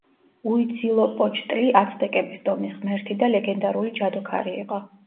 უიცილოპოჩტლი აცტეკების ტომის ღმერთი და ლეგენდარული ჯადოქარი იყო.